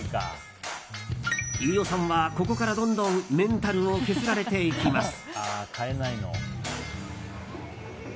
飯尾さんは、ここからどんどんメンタルを削られていきます。